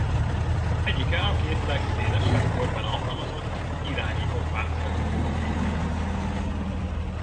Egyike a két legszélesebb körben alkalmazott irányított páncéltörő rakétának.